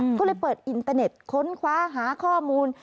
ก็เลยเปิดอินเตอร์เน็ตค้นคว้าหาข้อมูล